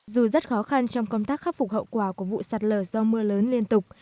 dù rất khó khăn trong công tác khắc phục hậu quả của vụ sạt lở do mưa lớn liên tục